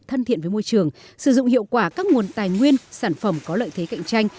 thân thiện với môi trường sử dụng hiệu quả các nguồn tài nguyên sản phẩm có lợi thế cạnh tranh